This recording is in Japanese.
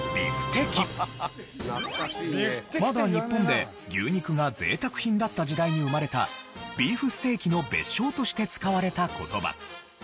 まだ日本で牛肉が贅沢品だった時代に生まれたビーフステーキの別称として使われた言葉。